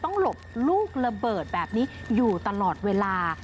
หลบลูกระเบิดแบบนี้อยู่ตลอดเวลา